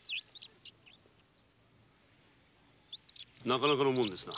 なかなかのものですな。